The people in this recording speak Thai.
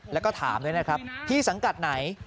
แล้วก็ถามด้วยนะครับพี่สังกัดไหน